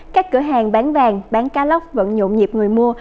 các cửa hàng bán vàng bán cá lóc vẫn nhộn nhịp người mua